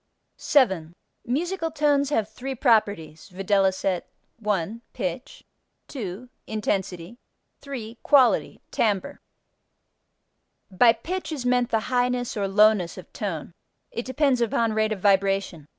7. Musical tones have three properties, viz.: 1. Pitch. 2. Intensity. 3. Quality (timbre). By pitch is meant the highness or lowness of tone. It depends upon rate of vibration.